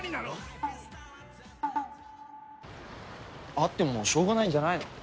会ってもしょうがないんじゃないの？